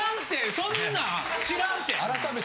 そんなん知らんって。